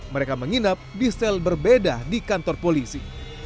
mereka menginap di sel berbeda di kantor polisi